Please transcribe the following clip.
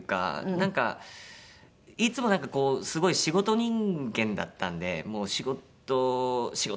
なんかいつもなんかこうすごい仕事人間だったんでもう仕事仕事！